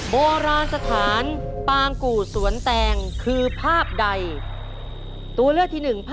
โบราณสถานปางกู่สวนแตงคือภาคสวนแตง